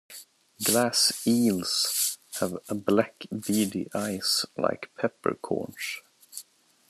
Glass eels have black beady eyes like pepper corns.